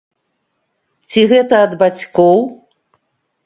Ці гэта ад бацькоў?